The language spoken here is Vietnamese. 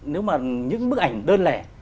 nếu mà những bức ảnh đơn lẻ